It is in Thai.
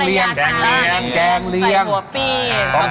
เขาก็ไปฝึกทำผัดพริกขิง